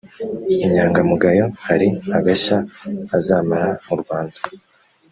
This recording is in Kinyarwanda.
inyangamugayo hari agashya azamara murwanda